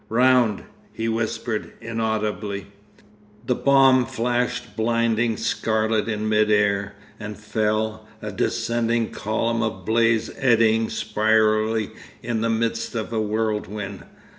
'Round,' he whispered inaudibly. The bomb flashed blinding scarlet in mid air, and fell, a descending column of blaze eddying spirally in the midst of a whirlwind.